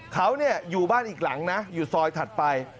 เขาอยู่บ้านอีกหลังนะอยู่ซอยถัดไป